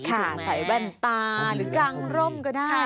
ฝ่ายแบนตาหรือกางร่มก็ได้